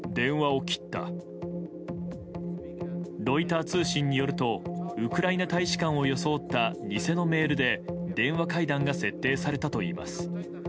ロイター通信によるとウクライナ大使館を装った偽のメールで電話会談が設定されたといいます。